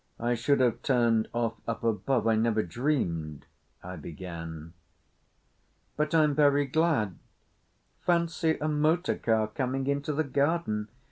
I should have turned off up above—I never dreamed"—I began. "But I'm very glad. Fancy a motor car coming into the garden!